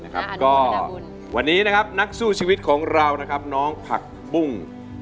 ก็วันนี้นะครับนักสู้ชีวิตของเรานะครับน้องผักปุ้ง